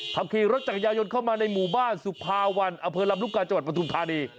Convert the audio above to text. ทำขี่รถจักรยานยนต์เข้ามาในหมู่บ้านสุภาวันอเภอรัมรุกาจปทุมธานี